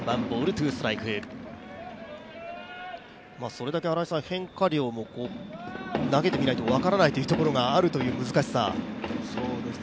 それだけ変化量も、投げてみないと分からないというところがある難しさ。